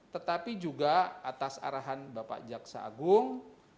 tetapi juga atas arahan bapak jaksa agung